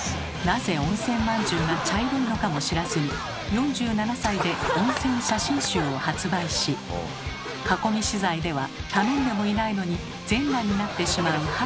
なぜ温泉まんじゅうが茶色いのかも知らずに４７歳で温泉写真集を発売し囲み取材では頼んでもいないのに全裸になってしまう原田さん。